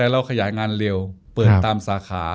โรงงานเร็วเปิดตามสาขา